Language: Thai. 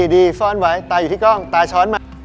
ซ่อนไว้ตาอยู่ที่กล้องตาช้อนมา